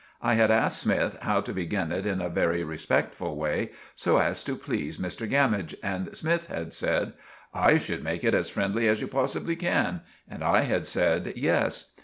I had asked Smythe how to begin it in a very respectful way, so as to please Mr Gammidge, and Smythe had said, "I should make it as friendly as you possibly can;" and I had said, "yes."